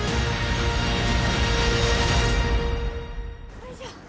よいしょ。